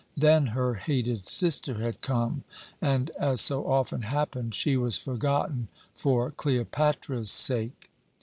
Then her hated sister had come and, as so often happened, she was forgotten for Cleopatra's sake.